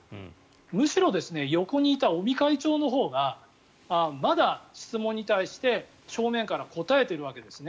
むしろ横にいた尾身会長のほうがまだ質問に対して正面から答えているわけですね。